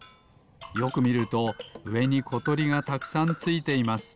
よくみるとうえにことりがたくさんついています。